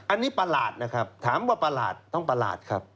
อันนี้ประหลาดนะครับถามว่าประหลาดต้องประหลาดครับ